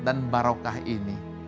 dan barokah ini